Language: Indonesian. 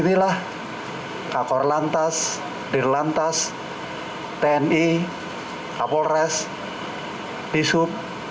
beginilah kakor lantas dir lantas tni kapolres disub